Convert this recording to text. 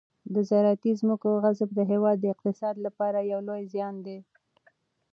د زراعتي ځمکو غصب د هېواد د اقتصاد لپاره یو لوی زیان دی.